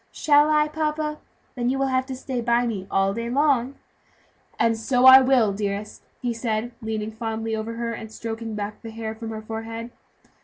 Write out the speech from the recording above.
"Shall I, papa? then you will have to stay by me all day long." "And so I will, dearest," he said, leaning fondly over her, and stroking back the hair from her forehead.